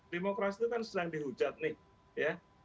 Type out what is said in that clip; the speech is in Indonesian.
demokrasi itu kan sedang dihujat nih ya